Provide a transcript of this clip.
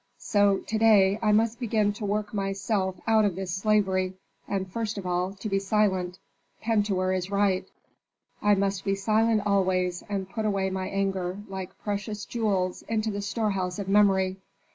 So to day I must begin to work myself out of this slavery, and first of all to be silent. Pentuer is right: I must be silent always, and put away my anger, like precious jewels into the storehouse of memory.